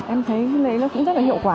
em thấy đấy nó cũng rất là hiệu quả